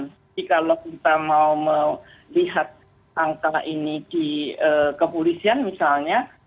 jadi kalau kita mau melihat angka ini di kepolisian misalnya